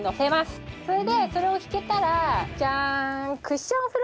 それでそれを敷けたらジャーン！